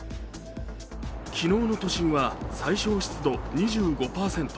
昨日の都心は最小湿度２５％。